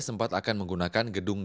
sempat akan menggunakan gedung